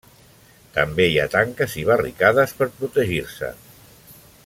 També hi ha tanques i barricades per protegir-se.